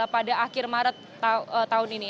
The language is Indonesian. pada akhir maret tahun ini